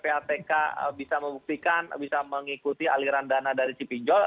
ppatk bisa membuktikan bisa mengikuti aliran dana dari si pinjol